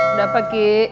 udah apa kiki